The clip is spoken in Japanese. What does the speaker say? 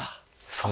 そう